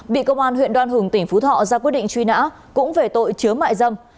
bị công an huyện đoan hùng tỉnh phú thọ ra quyết định truy nã cũng về tội chứa mại dâm